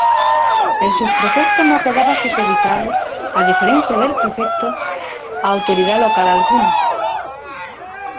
El subprefecto no quedaba supeditado, a diferencia del prefecto, a autoridad local alguna.